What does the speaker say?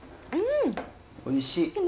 おいしい。